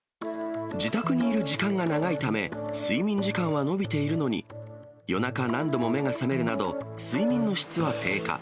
自宅にいる時間が長いため、睡眠時間はのびているのに、夜中、何度も目が覚めるなど、睡眠の質は低下。